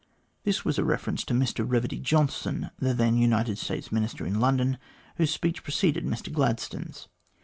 This was a reference to Mr Eeverdy Johnson, the then United States Minister in London, whose speech pre ceded Mr Gladstone's.